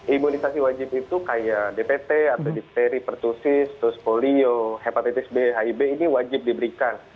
imunisasi wajib itu kayak dpt atau difteri pertusis terus polio hepatitis b hib ini wajib diberikan